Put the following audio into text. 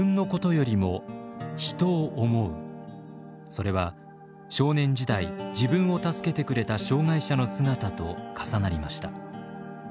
それは少年時代自分を助けてくれた障害者の姿と重なりました。